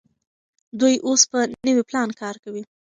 دوی اوس په نوي پلان کار کوي.